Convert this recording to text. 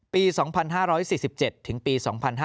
ปี๒๕๔๗ถึงปี๒๕๕๙